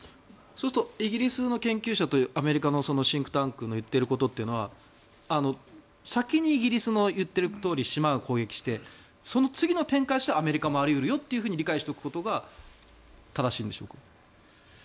そうするとイギリスの研究者とアメリカのシンクタンクの言っていることは先にイギリスの言っているとおり島を攻撃してその次の展開次第ではアメリカもあり得るよと理解しておくことが正しいんでしょうか？